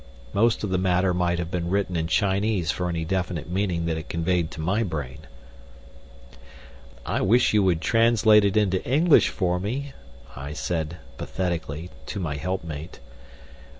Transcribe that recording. Most of the matter might have been written in Chinese for any definite meaning that it conveyed to my brain. "I wish you could translate it into English for me," I said, pathetically, to my help mate.